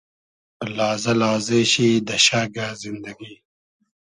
لازۂ لازې شی دۂ شئگۂ زیندئگی